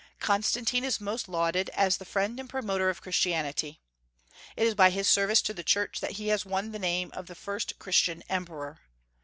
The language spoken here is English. Constantine is most lauded as the friend and promoter of Christianity. It is by his service to the Church that he has won the name of the first Christian emperor.